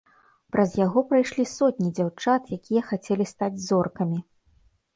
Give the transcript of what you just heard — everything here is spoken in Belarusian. Праз яго прайшлі сотні дзяўчат, якія хацелі стаць зоркамі.